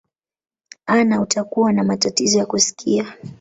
anna utakuwa na matatizo ya kusikia